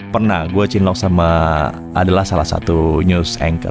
pernah gue cilok sama adalah salah satu news anchor